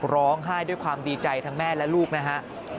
ร้องไห้ด้วยความดีใจทั้งแม่และลูกนะฮะ